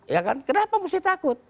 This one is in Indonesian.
ya kan kenapa mesti takut